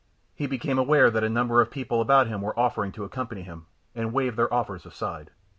He became aware that a number of people about him were offering to accompany him, and waved their offers aside.